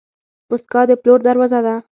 موسکا د پلور دروازه ده.